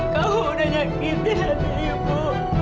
kamu udah nyakitin hati ibu